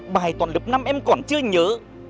bài toàn lập năm em còn chưa nhớ